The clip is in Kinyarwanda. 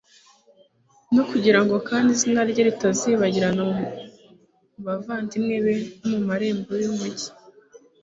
no kugira ngo kandi izina rye ritazibagirana mu bavandimwe be no mu marembo y'umugi